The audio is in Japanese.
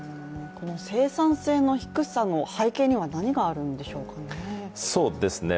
この生産性の低さの背景には何があるんでしょうかね？